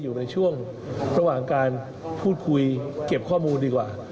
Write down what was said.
อยู่ในช่วงระหว่างการพูดคุยเก็บข้อมูลดีกว่า